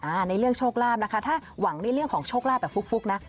ในเรื่องโชคลาภนะคะถ้าหวังในเรื่องของโชคลาภแบบฟุกนะ